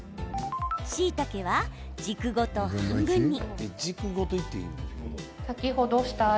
しいたけは軸ごと半分に。